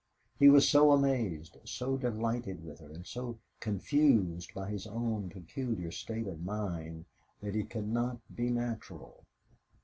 He was so amazed, so delighted with her, and so confused with his own peculiar state of mind, that he could not be natural.